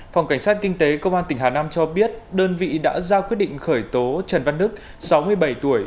phòng cảnh sát kinh tế công an tỉnh hà nam cho biết đơn vị đã ra quyết định khởi tố trần văn đức sáu mươi bảy tuổi